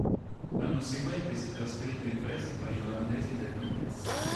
L'anno seguente si è trasferito in prestito agli olandesi del Vitesse.